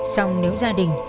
xong nếu gia đình